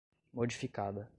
modificada